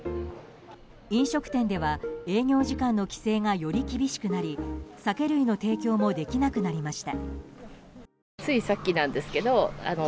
飲食店では営業時間の規制がより厳しくなり酒類の提供もできなくなりました。